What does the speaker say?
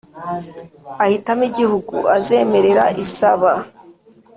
ahitamo Igihugu azemerera isaba